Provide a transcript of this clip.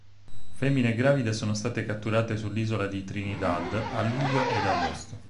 Femmine gravide sono state catturate sull'isola di Trinidad a luglio ed agosto.